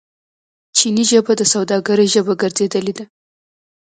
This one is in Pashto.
چیني ژبه د سوداګرۍ ژبه ګرځیدلې ده.